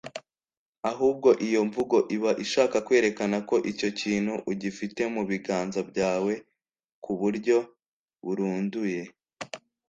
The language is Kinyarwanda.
Ahubwo iyo mvugo iba ishaka kwerekana ko icyo kintu ugifite mu biganza byawe ku buryo burunduye